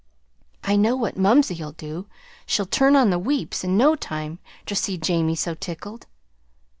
"I know what mumsey'll do she'll turn on the weeps in no time ter see Jamie so tickled."